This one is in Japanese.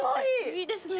いいですね。